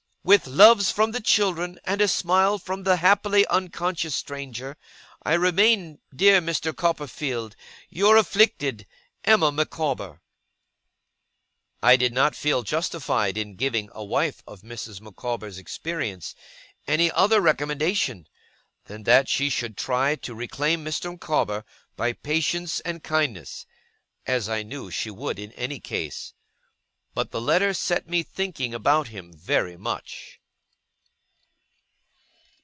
With loves from the children, and a smile from the happily unconscious stranger, I remain, dear Mr. Copperfield, 'Your afflicted, 'EMMA MICAWBER.' I did not feel justified in giving a wife of Mrs. Micawber's experience any other recommendation, than that she should try to reclaim Mr. Micawber by patience and kindness (as I knew she would in any case); but the letter set me thinking about him very much.